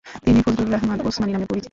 তিনি ফজলুর রহমান উসমানি নামেও পরিচিত।